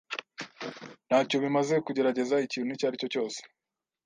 Ntacyo bimaze kugerageza ikintu icyo ari cyo cyose.